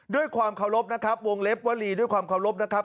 ด้วยความเคารพนะครับวงเล็บวลีด้วยความเคารพนะครับ